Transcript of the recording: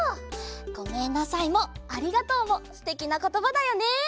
「ごめんなさい」も「ありがとう」もすてきなことばだよね！